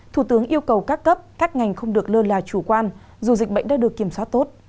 thủ tướng yêu cầu các cấp các ngành không được lơ là chủ quan dù dịch bệnh đã được kiểm soát tốt